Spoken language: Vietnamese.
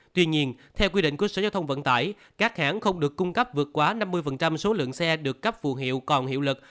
tuy nhiên theo quy định của sở giao thông vận tải các hãng không được cung cấp vượt quá năm mươi số lượng xe được cấp phù hiệu còn hiệu lực